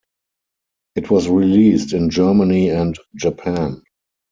It was released in Germany and Japan.